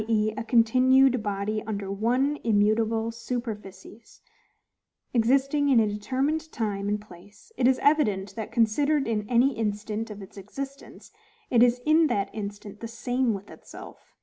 e. a continued body under one immutable superficies, existing in a determined time and place; it is evident, that, considered in any instant of its existence, it is in that instant the same with itself.